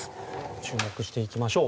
注目していきましょう。